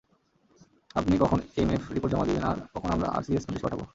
আপনি কখন MF report জমা দিবেন আর কখন আমরা আরসিএস নোটিশ পাঠাব?